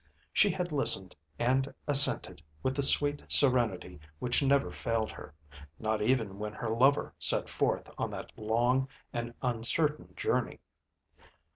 She had listened and assented with the sweet serenity which never failed her, not even when her lover set forth on that long and uncertain journey.